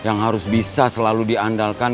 yang harus bisa selalu diandalkan